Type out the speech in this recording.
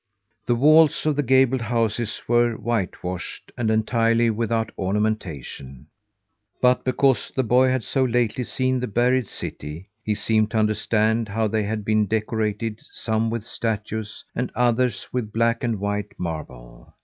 The walls of the gabled houses were whitewashed, and entirely without ornamentation; but because the boy had so lately seen the buried city, he seemed to understand how they had been decorated: some with statues, and others with black and white marble.